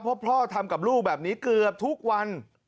เพราะพ่อทำกับลูกแบบนี้เกือบทุกวัน